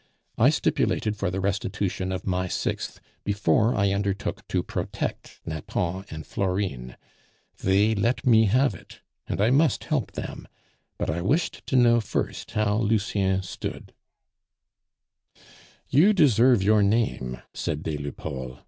I stipulated for the restitution of my sixth before I undertook to protect Nathan and Florine; they let me have it, and I must help them; but I wished to know first how Lucien stood " "You deserve your name," said des Lupeaulx.